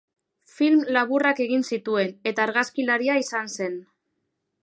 Film laburrak egin zituen, eta argazkilaria izan zen.